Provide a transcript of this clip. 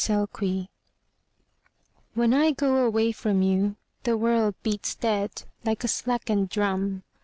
The Taxi When I go away from you The world beats dead Like a slackened drum.